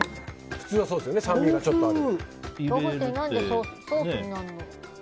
普通はそうですよね酸味がある。